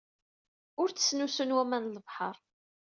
Ur tt-snusun waman n lebḥer.